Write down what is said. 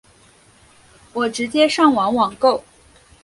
我直接上网网购